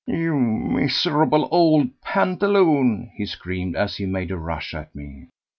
"You miserable old pantaloon," he screamed, as he made a rush at me.